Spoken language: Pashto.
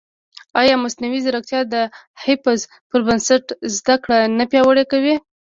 ایا مصنوعي ځیرکتیا د حفظ پر بنسټ زده کړه نه پیاوړې کوي؟